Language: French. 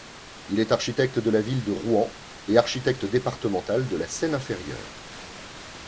Il est architecte de la ville de Rouen et architecte départemental de la Seine-Inférieure.